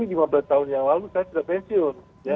lima belas tahun yang lalu saya sudah pensiun